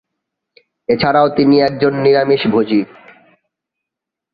এ ছাড়াও তিনি একজন নিরামিষভোজী।